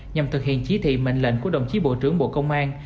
nhằm thực hiện chỉ thị mệnh lệnh của đồng chí bộ trưởng bộ công an